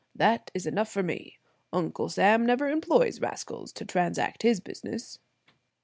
That is enough for me. Uncle Sam never employs rascals to transact his business."